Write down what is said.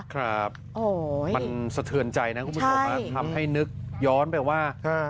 ครับมันสะเทือนใจนะคุณผู้ชมทำให้นึกย้อนไปว่า